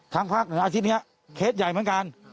ภาคเหนืออาทิตย์นี้เคสใหญ่เหมือนกัน